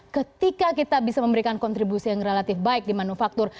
ketika kita bisa memberikan kontribusi yang relatif baik di manufaktur